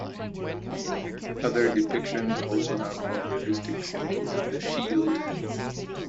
Other depictions also have more realistic symbols in the shield.